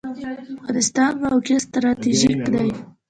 د افغانستان موقعیت ستراتیژیک دی